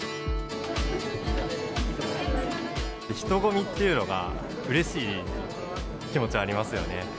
人混みっていうのが、うれしい気持ちありますよね。